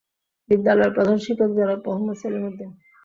বিদ্যালয়ের প্রধান শিক্ষক জনাব মোহাম্মদ সেলিম উদ্দীন।